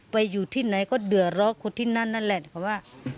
ไปอยู่ที่ไหนก็เตือนรอกคนที่นั่นนั่นนะ